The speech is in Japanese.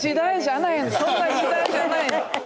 そんな時代じゃないの。